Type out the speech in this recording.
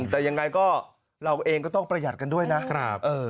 แต่ยังไงก็เราเองก็ต้องประหยัดกันด้วยนะครับ